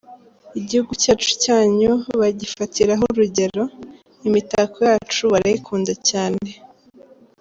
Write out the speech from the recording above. igihugu cyacu cyanyu bagifatiraho urugero, imitako yacu barayikunda cyane